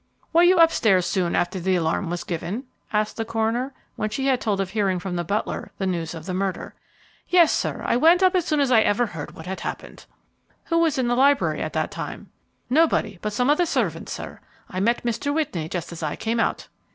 "Were you up stairs soon after the alarm was given?" asked the coroner, when she had told of hearing from the butler the news of the murder. "Yes, sir; I went up as soon as ever I heard what had happened." "Who was in the library at that time?" "Nobody but some of the servants, sir. I met Mr. Whitney just as I came out."